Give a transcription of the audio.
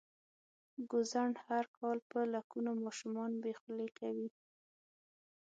ګوزڼ هر کال په لکونو ماشومان بې خولې کوي.